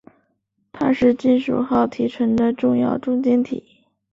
它是金属锆提纯的重要中间体。